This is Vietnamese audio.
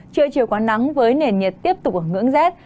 trưa chiều có nắng với nền nhiệt tiếp tục ở ngưỡng rét